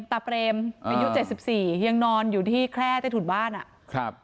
เปรมอายุเจ็ดสิบสี่ยังนอนอยู่ที่แคร่ใต้ถุนบ้านอ่ะครับ